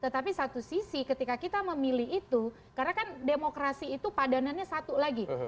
tetapi satu sisi ketika kita memilih itu karena kan demokrasi itu padanannya satu lagi